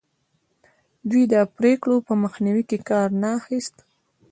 دوی د پرېکړو په مخنیوي کې کار نه اخیست.